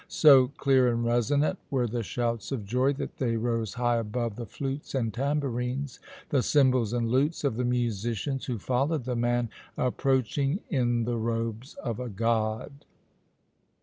So clear and resonant were the shouts of joy that they rose high above the flutes and tambourines, the cymbals and lutes of the musicians, who followed the man approaching in the robes of a god.